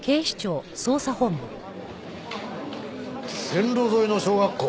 線路沿いの小学校。